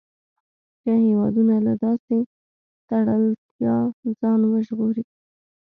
که هېوادونه له داسې تړلتیا ځان وژغوري.